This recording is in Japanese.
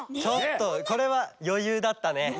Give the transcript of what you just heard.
ちょっとこれはよゆうだったね。